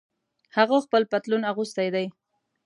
هغه خپل پتلون اغوستۍ دي